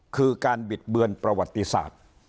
คือการบิดเบือนประวัติศาสตร์